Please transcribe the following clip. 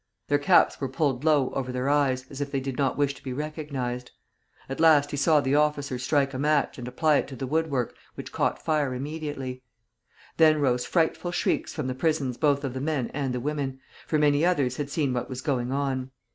Their caps were pulled low over their eyes, as if they did not wish to be recognized. At last he saw the officer strike a match and apply it to the woodwork, which caught fire immediately. Then rose frightful shrieks from the prisons both of the men and the women, for many others had seen what was going on.